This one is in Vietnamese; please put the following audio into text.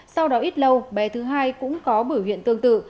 sau đó ít lâu bé thứ hai cũng có bởi huyện tương tự